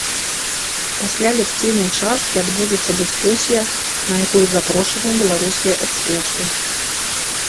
Пасля лекцыйнай часткі адбудзецца дыскусія, на якую запрошаныя беларускія эксперты.